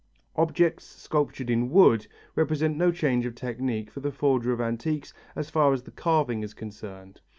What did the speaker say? Objects sculptured in wood represent no change of technique for the forger of antiques as far as the carving is concerned.